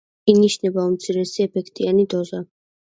ინიშნება უმცირესი ეფექტიანი დოზა.